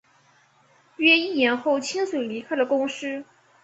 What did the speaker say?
约一年后清水离开了公司。